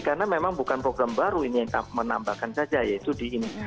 karena memang bukan program baru ini yang menambahkan saja yaitu di ini